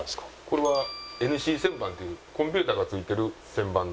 これはＮＣ旋盤っていうコンピューターが付いてる旋盤の。